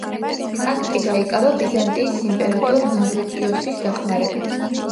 ტახტი დაიკავა ბიზანტიის იმპერატორ მავრიკიოსის დახმარებით.